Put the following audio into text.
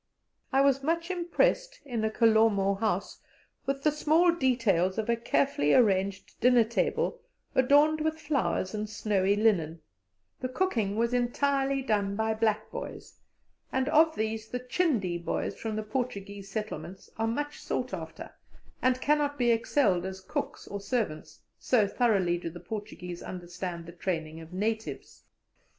I was much impressed in a Kalomo house with the small details of a carefully arranged dinner table, adorned with flowers and snowy linen; the cooking was entirely done by black boys, and of these the "Chinde" boys from the Portuguese settlements are much sought after, and cannot be excelled as cooks or servants, so thoroughly do the Portuguese understand the training of natives.